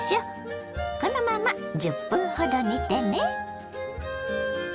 このまま１０分ほど煮てね。